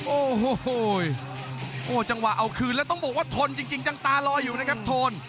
โอ้โหโอ้จังหวะเอาคืนแล้วต้องบอกว่าทนจริงจังตารออยู่นะครับโทน